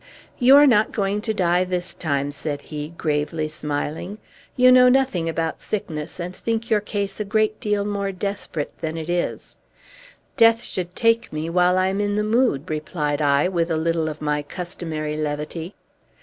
"You are not going to die, this time," said he, gravely smiling. "You know nothing about sickness, and think your case a great deal more desperate than it is." "Death should take me while I am in the mood," replied I, with a little of my customary levity.